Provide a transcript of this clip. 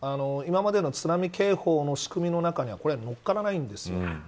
今までの津波警報の仕組みの中でこれはのっからないんです。